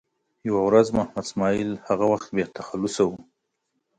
یوه ورځ محمد اسماعیل هغه وخت بې تخلصه و.